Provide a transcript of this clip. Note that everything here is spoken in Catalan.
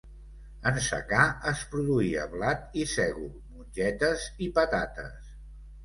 En secà es produïa blat i sègol, mongetes i patates.